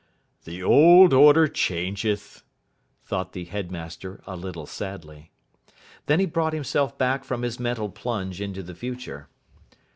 "The old order changeth," thought the headmaster a little sadly. Then he brought himself back from his mental plunge into the future.